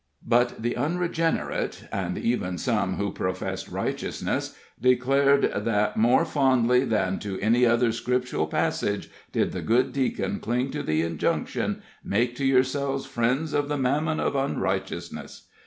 But the unregenerate, and even some who professed righteousness, declared that more fondly than to any other scriptural passage did the good Deacon cling to the injunction, "Make to yourselves friends of the mammon of unrighteousness."